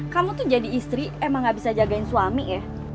kamu tuh jadi istri emang gak bisa jagain suami ya